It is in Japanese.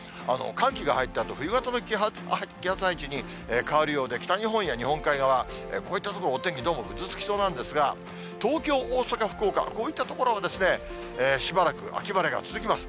寒気が入ったあと、冬型の気圧配置に変わるようで、北日本や日本海側、こういった所、どうもお天気、ぐずつきそうなんですが、東京、大阪、福岡、こういった所も、しばらく秋晴れが続きます。